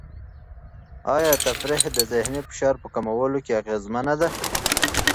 آیا تفریح د ذهني فشار په کمولو کې اغېزمنه ده؟